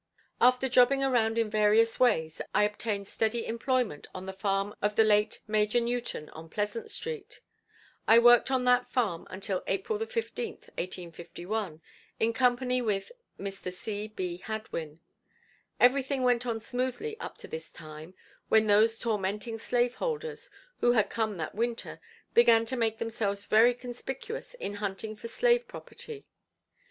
After jobbing around in various ways, I obtained steady employment on the farm of the late Major Newton on Pleasant Street. I worked on that farm until April 15, 1851, in company with Mr. C. B. Hadwin. Everything went on smoothly up to this time, when those tormenting slave holders, who had come that winter, began to make themselves very conspicuous in hunting for slave property.